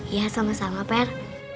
iya sama sama pen